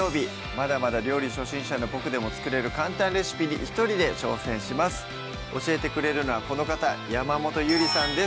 まだまだ料理初心者のボクでも作れる簡単レシピに一人で挑戦します教えてくれるのはこの方山本ゆりさんです